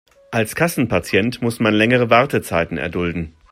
Als Kassenpatient muss man längere Wartezeiten erdulden.